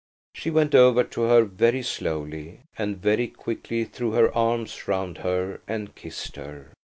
She went over to her very slowly, and very quickly threw her arms round her and kissed her.